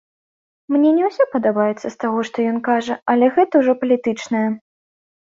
Мне не ўсё падабаецца з таго, што ён кажа, але гэта ўжо палітычнае.